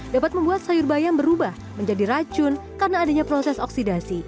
dapat membuat sayur bayam berubah menjadi racun karena adanya proses oksidasi